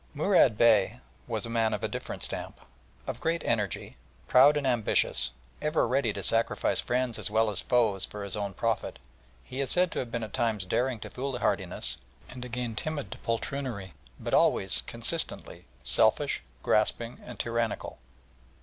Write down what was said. Murad Bey was a man of different stamp. Of great energy, proud and ambitious, ever ready to sacrifice friends as well as foes for his own profit, he is said to have been at times daring to foolhardiness, and again timid to poltroonery, but always consistently selfish, grasping, and tyrannical.